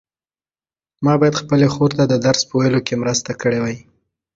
ما باید خپلې خور ته د درس په ویلو کې مرسته کړې وای.